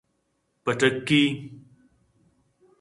پٹکی